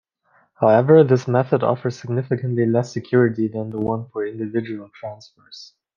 However, this method offers significantly less security than the one for individual transfers.